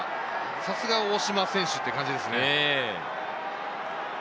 さすが大島選手という感じですね。